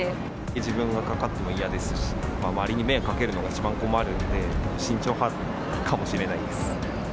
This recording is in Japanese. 自分がかかるのも嫌ですし、周りに迷惑かけるのが一番困るので、慎重派かもしれないです。